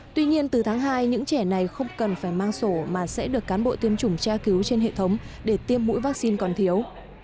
tuy nhiên từ tháng hai những trẻ này không cần phải mang sổ mà sẽ được cán bộ tiêm chủng tra cứu trên hệ thống để tiêm mũi vaccine còn thiếu